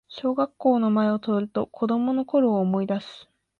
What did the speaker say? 小学校の前を通ると子供のころを思いだす